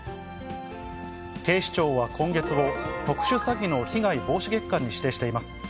警視庁は今月を特殊詐欺の被害防止月間に指定しています。